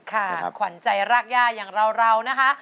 ขวัญใจรากย่าอย่างเรานะคะ